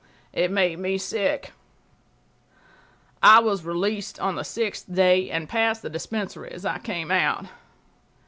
It made me sick .... I was released on the sixth day and passed the dispensary as I came out.